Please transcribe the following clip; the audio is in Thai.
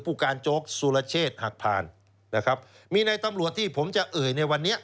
ผู้การโจ๊กสุรเชษฐ์หักผ่านนะครับมีในตำรวจที่ผมจะเอ่ยในวันนี้